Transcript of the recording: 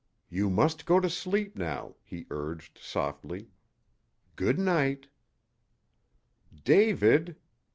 "You must go to sleep now," he urged, softly. "Good night " "David!"